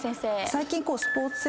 最近。